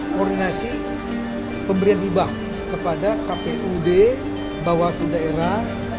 koordinasi pemberian tiba kepada kpud bawa seluruh daerah